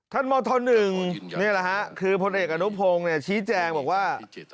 พม๑มีนูภงชี้แจงว่า